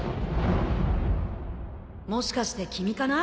もしかして君かな？